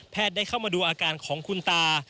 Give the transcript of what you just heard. ได้เข้ามาดูอาการของคุณตา